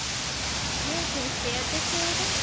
手当てしてやってちょうだい。